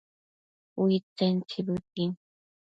Uidtsen tsibëtin